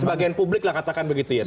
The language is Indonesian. sebagian publik lah katakan begitu ya